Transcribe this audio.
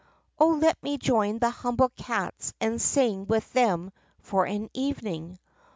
Oh, let me join the humble cats and sing with them for an evening.